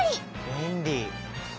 便利。